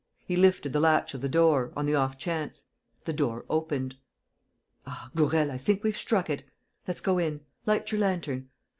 He lifted the latch of the door, on the off chance; the door opened. "Ah, Gourel, I think we've struck it! Let's go in. Light your lantern.